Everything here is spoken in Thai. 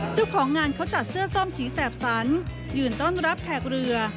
เจ้าของงานเขาจัดเสื้อส้มสีแสบสันยืนต้อนรับแขกเรือ